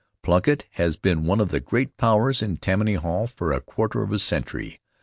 Plunkitt has been one of the great powers in Tammany Hall for a quarter of a century.